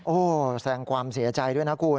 โอ้โหแสงความเสียใจด้วยนะคุณ